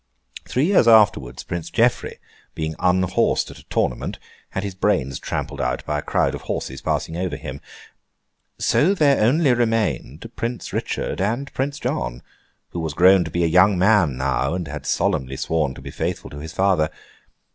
Three years afterwards, Prince Geoffrey, being unhorsed at a tournament, had his brains trampled out by a crowd of horses passing over him. So, there only remained Prince Richard, and Prince John—who had grown to be a young man now, and had solemnly sworn to be faithful to his father.